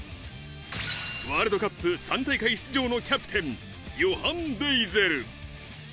ワールドカップ３大会出場のキャプテン、ヨハン・デイゼル。